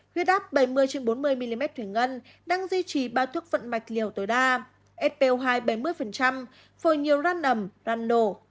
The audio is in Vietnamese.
huyết áp bảy mươi bốn mươi mm thủy ngân đang duy trì ba thuốc vận mạch liều tối đa spo hai bảy mươi phôi nhiều ran nầm ran nổ